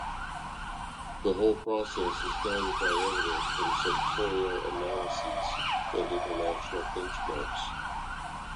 The whole process is guided by evidence from sectoral analyses and international benchmarks.